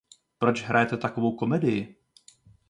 Proč hrajete takovou komedii?